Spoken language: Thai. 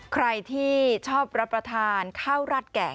ใครที่ชอบรับประทานข้าวราดแก่